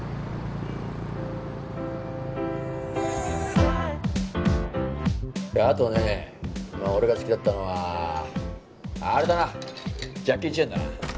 あとね俺が好きだったのはあれだなジャッキー・チェンだな。